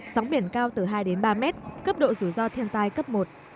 sóng biển cao từ hai đến ba mét cấp độ rủi ro thiên tai cấp một